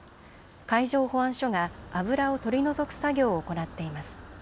海上保安署が油を取り除く作業を行っています。